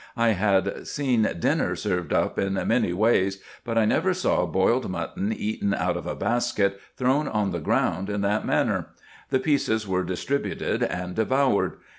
I had seen dinner served up in many ways, but I never saw boiled mutton eaten out of a basket thrown on the ground in that manner. The pieces were distributed and devoured.